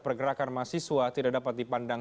pergerakan mahasiswa tidak dapat dipandang